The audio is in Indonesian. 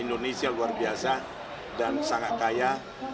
indonesia luar biasa dan sangat kaya